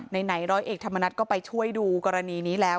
ไหนร้อยเอกธรรมนัฐก็ไปช่วยดูกรณีนี้แล้ว